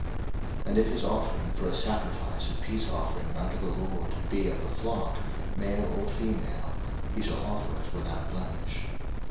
03:003:006 And if his offering for a sacrifice of peace offering unto the LORD be of the flock; male or female, he shall offer it without blemish.